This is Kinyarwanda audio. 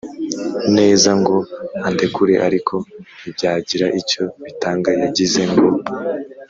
neza ngo andekure ariko ntibyagira icyo bitanga Yagize ngo